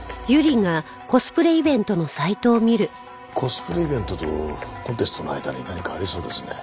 コスプレイベントとコンテストの間に何かありそうですね。